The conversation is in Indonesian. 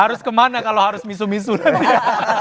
harus kemana kalau harus misu misu nanti